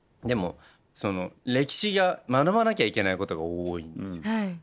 でも歴史が学ばなきゃいけないことが多いんですよ。